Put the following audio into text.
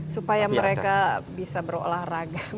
supaya mereka bisa berolahraga